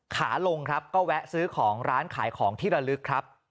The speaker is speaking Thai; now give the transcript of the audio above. ขาลงครับก็แวะซื้อของร้านขายของที่ระลึกครับ